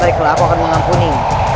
baiklah aku akan mengampuni